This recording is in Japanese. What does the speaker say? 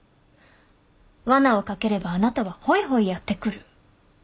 わなをかければあなたはほいほいやって来る。